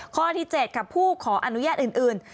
ข้อที่๗ค่ะผู้ขออนุญาตอื่น